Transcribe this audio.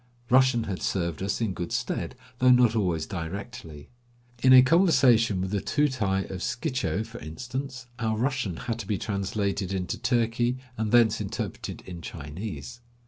Russian had served us in good stead, though not always directly. In a conversation with the Tootai of Schicho, for instance, our Russian had to be translated into Turki and thence interpreted in Chinese.